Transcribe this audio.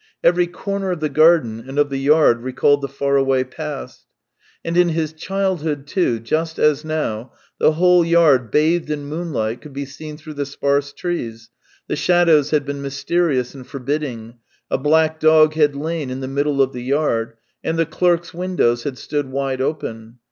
Every corner of the garden and of the yard recalled the far away past. And in his childhood too, just as now, the whole yard bathed in moon light could be seen through the sparse trees, the shadows had been mysterious and forbidding, a black dog had lain in the middle of the yard, and the clerks' windows had stood wide open.